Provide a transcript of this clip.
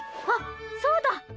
あっそうだ！